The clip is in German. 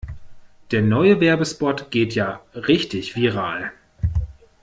Der neue Werbespot geht ja richtig viral.